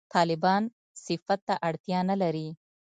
«طالبان» صفت ته اړتیا نه لري.